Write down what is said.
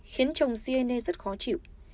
khiến chồng siene rất khó chịu